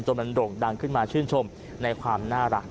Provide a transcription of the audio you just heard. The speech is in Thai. มันโด่งดังขึ้นมาชื่นชมในความน่ารัก